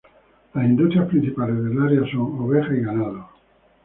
Las industrias principales del área son oveja y ganado.